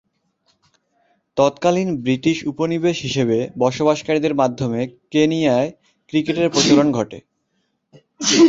তৎকালীন ব্রিটিশ উপনিবেশ হিসেবে বসবাসকারীদের মাধ্যমে কেনিয়ায় ক্রিকেটের প্রচলন ঘটে।